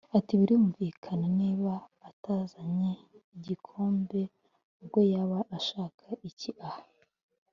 Ati “ Birumvikana niba atazanye igikombe ubwo yaba ashaka iki aha